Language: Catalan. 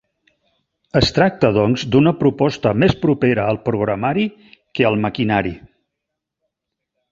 Es tracta doncs d'una proposta més propera al programari que al maquinari.